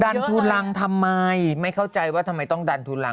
ดันธุรังทำไมไม่เข้าใจว่าทำไมต้องดันธุรังคนร้าง